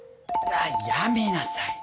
やめなさい！